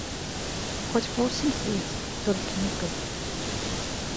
Хоць па ўсім свеце, толькі не тут!